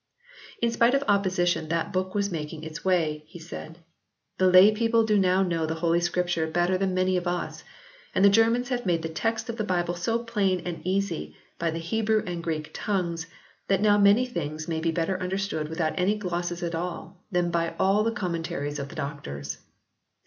In spite of opposition that book was making its way, he said. "The lay people do now know the Holy Scripture better than many of us; and the Germans have made the text of the Bible so plain and easy, by the Hebrew and Greek tongues, that now many things may be better understood without any glosses at all, than by all the commentaries of the doctors."